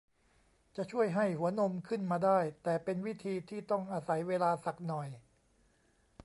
จะช่วยให้หัวนมขึ้นมาได้ แต่เป็นวิธีที่ต้องอาศัยเวลาสักหน่อย